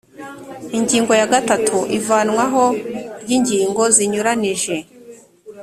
ingingo ya gatatu ivanwaho ry ingingo zinyuranije